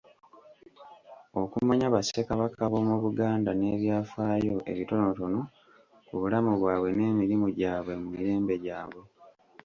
Okumanya Bassekabaka b'omu Buganda n'ebyafaayo ebitonotono ku bulamu bwabwe n'emirimu gyabwe mu mirembe gyabwe.